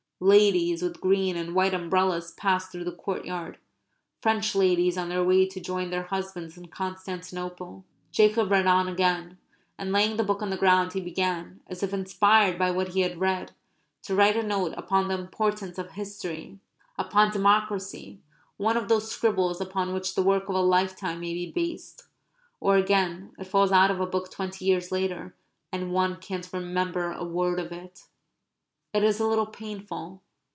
(Ladies with green and white umbrellas passed through the courtyard French ladies on their way to join their husbands in Constantinople.) Jacob read on again. And laying the book on the ground he began, as if inspired by what he had read, to write a note upon the importance of history upon democracy one of those scribbles upon which the work of a lifetime may be based; or again, it falls out of a book twenty years later, and one can't remember a word of it. It is a little painful.